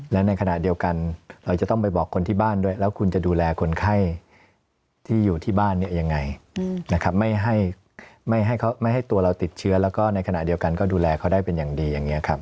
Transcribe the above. และในขณะเดียวกันเราจะต้องไปบอกคนที่บ้านด้วยแล้วคุณจะดูแลคนไข้ที่อยู่ที่บ้านเนี่ยยังไงนะครับไม่ให้ตัวเราติดเชื้อแล้วก็ในขณะเดียวกันก็ดูแลเขาได้เป็นอย่างดีอย่างนี้ครับ